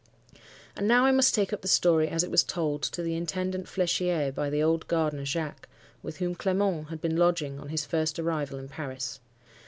"And now I must take up the story as it was told to the Intendant Flechier by the old gardener Jacques, with whom Clement had been lodging on his first arrival in Paris.